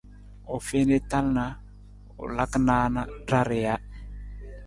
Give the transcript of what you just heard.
U fiin i tal na, u laka naan ra rija.